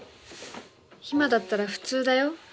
今だったら普通だよ。